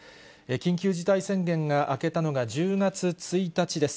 緊急事態宣言が明けたのが１０月１日です。